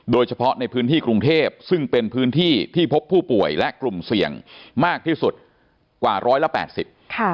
โดยเฉพาะในพื้นที่กรุงเทพซึ่งเป็นพื้นที่ที่พบผู้ป่วยและกลุ่มเสี่ยงมากที่สุดกว่าร้อยละแปดสิบค่ะ